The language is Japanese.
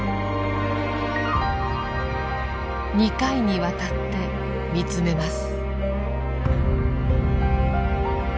２回にわたって見つめます。